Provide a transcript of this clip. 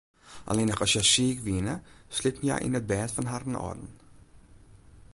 Allinnich as hja siik wiene, sliepten hja yn it bêd fan harren âlden.